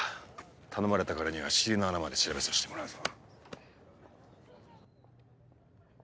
頼まれたからには尻の穴まで調べさせてもらうぞ。